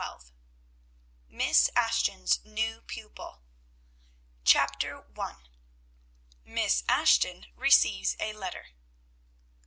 260 MISS ASHTON'S NEW PUPIL. CHAPTER I MISS ASHTON RECEIVES A LETTER.